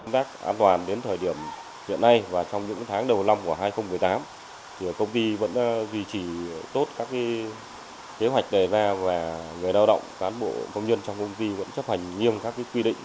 công tác an toàn đến thời điểm hiện nay và trong những tháng đầu năm của hai nghìn một mươi tám thì công ty vẫn duy trì tốt các kế hoạch đề ra và người lao động cán bộ công nhân trong công ty vẫn chấp hành nghiêm các quy định